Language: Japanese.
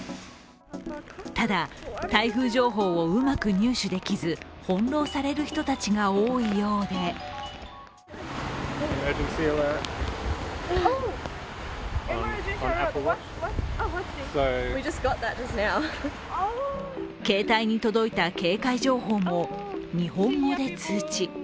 ただ、台風情報をうまく入手できず翻弄される人たちが多いようで携帯に届いた警戒情報も日本語で通知。